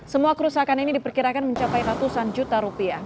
semua kerusakan ini diperkirakan mencapai ratusan juta rupiah